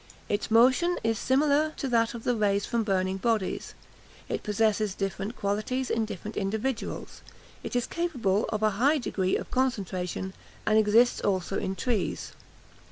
Its motion is "similar to that of the rays from burning bodies;" "it possesses different qualities in different individuals." It is capable of a high degree of concentration, "and exists also in trees."